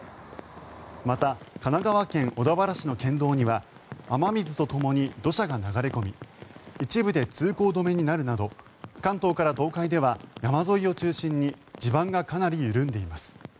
また神奈川県小田原市の県道には雨水とともに土砂が流れ込み一部で通行止めになるなど関東から東海では山沿いを中心に地盤がかなり緩んでいます。